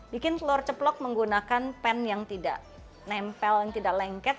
bikin telur ceplok menggunakan pen yang tidak nempel yang tidak lengket